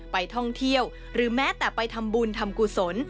ไปท่องเที่ยวหรือแม้แต่ไปทำบุญทำกุศล